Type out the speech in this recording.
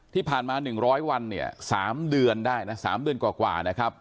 ที่ผ่านมาหนึ่งร้อยวันเนี่ยสามเดือนได้นะสามเดือนกว่ากว่านะครับ